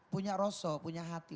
punya rosoh punya hati